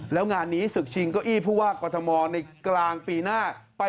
แล้วงานนี้ศึกชิงเก้าอี้ผู้ว่ากรทมในกลางปีหน้า